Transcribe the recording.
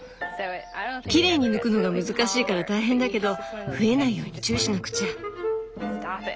きれいに抜くのが難しいから大変だけど増えないように注意しなくちゃ。